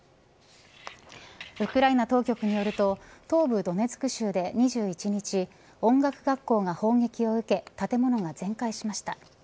ウクライナ当局によると東部ドネツク州で２１日音楽学校が砲撃を受け建物が全壊しました。